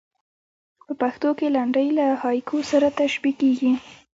په پښتو کښي لنډۍ له هایکو سره تشبیه کېږي.